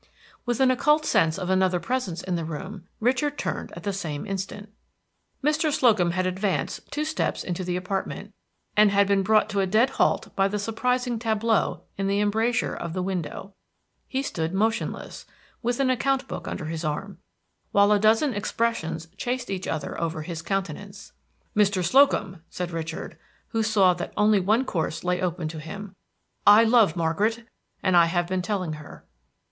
With an occult sense of another presence in the room, Richard, turned at the same instant. Mr. Slocum had advanced two steps into the apartment, and had been brought to a dead halt by the surprising tableau in the embrasure of the window. He stood motionless, with an account book under his arm, while a dozen expressions chased each other over his countenance. "Mr. Slocum," said Richard, who saw that only one course lay open to him, "I love Margaret, and I have been telling her."